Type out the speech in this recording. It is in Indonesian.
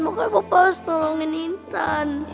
makanya bapak harus nolongin intan